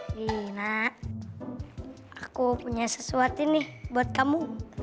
lina aku punya sesuatu nih buat kamu